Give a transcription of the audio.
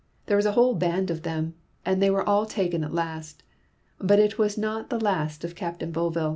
There was a whole band of them, and they were all taken at last; but it was not the last of Captain Bovill.